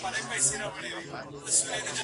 دایمی به یې وي برخه له ژوندونه.